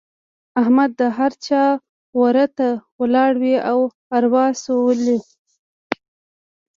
احمد د هر چا وره ته ولاړ وي او اروا سولوي.